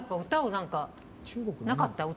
何かなかった？